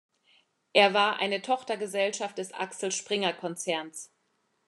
Er war eine Tochtergesellschaft des Axel-Springer-Konzerns.